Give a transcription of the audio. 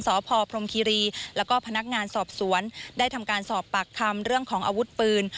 สพพรมคิรีแล้วก็พนักงานสอบสวนได้ทำการสอบปากคำเรื่องของอาวุธปืน